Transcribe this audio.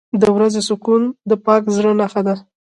• د ورځې سکون د پاک زړه نښه ده.